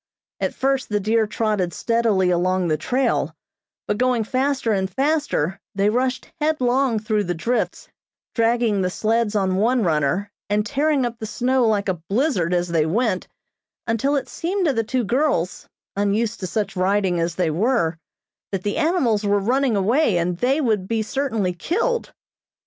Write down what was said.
At first the deer trotted steadily along on the trail, but going faster and faster they rushed headlong through the drifts, dragging the sleds on one runner, and tearing up the snow like a blizzard as they went, until it seemed to the two girls, unused to such riding as they were, that the animals were running away, and they would be certainly killed.